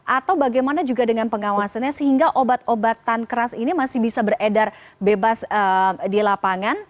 atau bagaimana juga dengan pengawasannya sehingga obat obatan keras ini masih bisa beredar bebas di lapangan